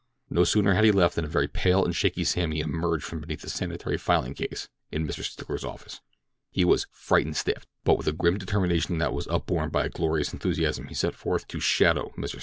No sooner had he left than a very pale and shaky Sammy emerged from beneath the sanitary filing case in Mr. Stickler's office. He was "frightened stiff "; but with a grim determination that was upborne by a glorious enthusiasm he set forth to "shadow" Mr. Stickler.